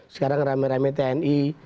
sekarang rame rame tni